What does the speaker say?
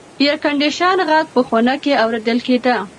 د اېرکنډیشن غږ په خونه کې اورېدل کېده.